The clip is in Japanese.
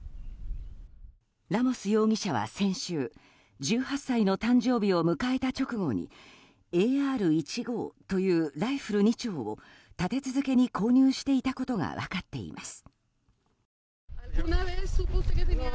ラモス容疑者は先週１８歳の誕生日を迎えた直後にＡＲ１５というライフル２丁を立て続けに購入していたことが分かっています。